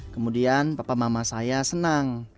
kemudian papa mama saya senang